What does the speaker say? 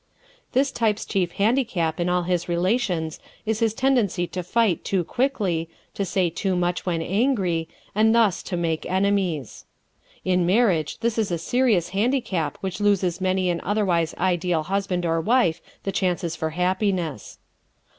This type's chief handicap in all his relations is his tendency to fight too quickly, to say too much when angry, and thus to make enemies. In marriage this is a serious handicap which loses many an otherwise ideal husband or wife the chance for happiness.